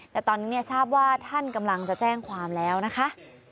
แต่ตอนนี้ทราบว่าท่านกำลังจะแจ้งความแล้วนะคะ